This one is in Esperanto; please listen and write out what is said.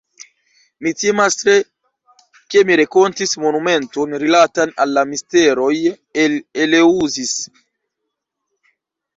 Mi timas tre, ke mi renkontis monumenton rilatan al la misteroj en Eleŭzis.